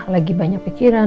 lagi banyak pikiran